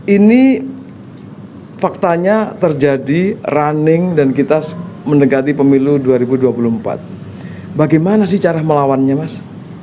ini faktanya terjadi running dan kita mendekati pemilu dua ribu dua puluh empat bagaimana sih cara melawannya mas